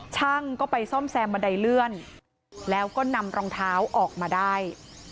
ช่างก็ไปซ่อมแซมบันไดเลื่อนแล้วก็นำรองเท้าออกมาได้